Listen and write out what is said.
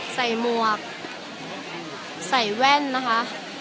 หมวกใส่แว่นนะคะ